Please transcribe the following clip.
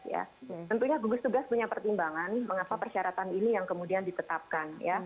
ya tentunya gugus tugas punya pertimbangan mengapa persyaratan ini yang kemudian ditetapkan